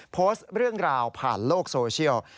โพสต์เรื่องราวผ่านโลกโซเชียล